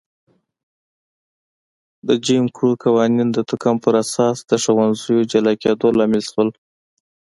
د جیم کرو قوانین د توکم پر اساس د ښوونځیو جلا کېدو لامل شول.